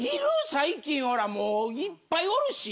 最近ほらもういっぱいおるし。